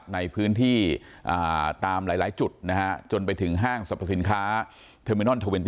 ในพื้นที่ตามหลายจุดจนไปถึงห้างสรรพสินค้าเทอร์มินอล๒๑